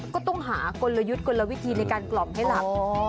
ก็ต้องหากลยุทธ์กลวิธีในการกล่อมให้หลับ